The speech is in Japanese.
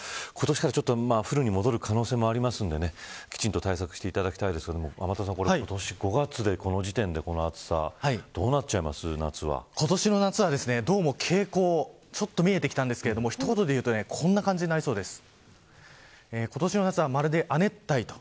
今年からフルに戻る可能性があるのできちんと対策をしていただきたいですが天達さん、今年５月でこの時点で、この暑さと今年の夏はどうも傾向を見えてきたんですが一言で言うとこんな感じになりそうです。